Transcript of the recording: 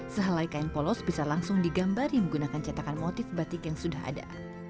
sehalai kain polos bisa langsung digambar yang menggunakan cetakan motif batik yang sudah ada